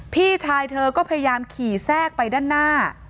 พี่ชายเธอก็พยายามขี่แทรกไปด้านหน้า